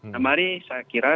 nah mari saya kira